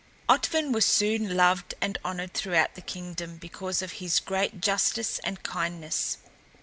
Otvin was soon loved and honored throughout the kingdom because of his great justice and kindness.